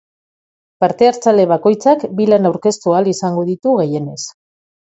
Parte-hartzaile bakoitzak bi lan aurkeztu ahal izango ditu gehienez.